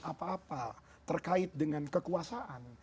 apa apa terkait dengan kekuasaan